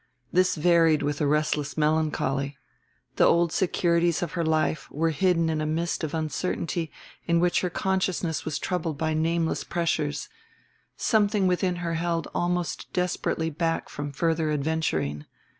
This varied with a restless melancholy; the old securities of her life were hidden in a mist of uncertainty in which her consciousness was troubled by nameless pressures; something within her held almost desperately back from further adventuring.